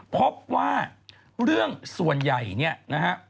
พบว่าเรื่องส่วนใหญ่เนี่ยนะฮะ